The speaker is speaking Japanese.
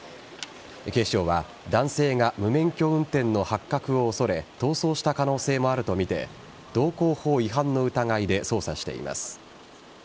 警視庁は男性が無免許運転の発覚を恐れ逃走した可能性もあるとみて道交法違反の疑いで捜査しています。